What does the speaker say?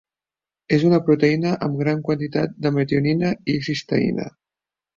És una proteïna amb gran quantitat de metionina i cisteïna.